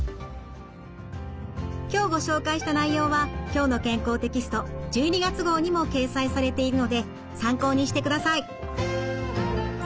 今日ご紹介した内容は「きょうの健康」テキスト１２月号にも掲載されているので参考にしてください。